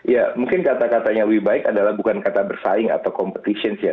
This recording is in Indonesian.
ya mungkin kata katanya lebih baik adalah bukan kata bersaing atau competitions ya